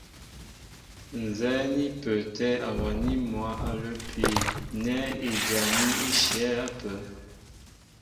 Ǹzɛ́ɛ́ ní pə́ə́tɛ̄ awaní mwǎ a lə́pi nɛ́ ijaní í shyɛ̌ ápə́.